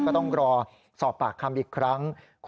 ก็ต้องรอสอบปากคำอีกครั้ง